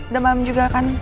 udah malem juga kan